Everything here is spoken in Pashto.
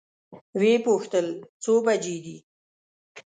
وې پوښتل څو بجې دي؟